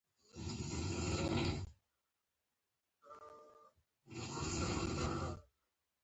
نور درېدل هم ورته ډېر ګران و.